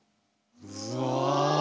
うわ！